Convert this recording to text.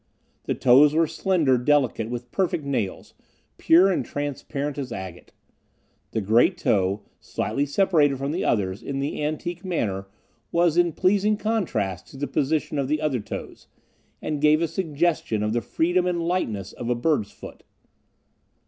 The toes were slender, delicate, with perfect nails, pure and transparent as agate; the great toe, slightly separated from the others, in the antique manner was in pleasing contrast to the position of the other toes, and gave a suggestion of the freedom and lightness of a bird's foot.